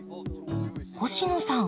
星野さん